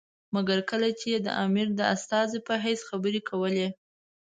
مګر کله چې یې د امیر د استازي په حیث خبرې کولې.